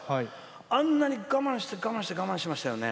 あんなに我慢して我慢しましたよね。